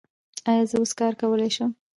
ایا زه اوس کار کولی شم؟